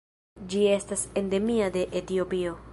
Ĝi estas endemia de Etiopio.